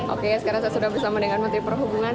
oke sekarang saya sudah bersama dengan menteri perhubungan